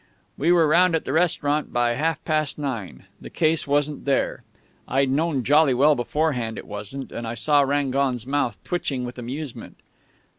"We were round at the restaurant by half past nine. The case wasn't there. I'd known jolly well beforehand it wasn't, and I saw Rangon's mouth twitching with amusement.